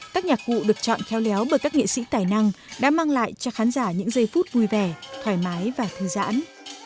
các nhạc cụ được chọn khéo léo bởi các nghệ sĩ tài năng đã mang lại cho khán giả những giây phút vui vẻ thoải mái và thư giãn